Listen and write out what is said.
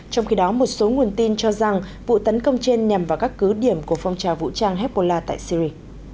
trong khi đó một số nguồn tin cho rằng vụ tấn công trên nhằm vào các cứ điểm của phong trào vũ trang hezbollah tại syri